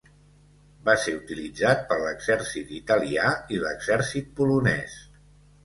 Va ser utilitzat per l'exèrcit Italià i l'exèrcit polonès.